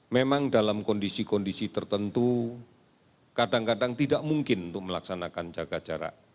memang dalam kondisi kondisi tertentu kadang kadang tidak mungkin untuk melaksanakan jaga jarak